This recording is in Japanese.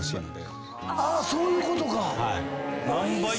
そういうことか！